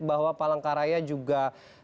bahwa palangkaraya juga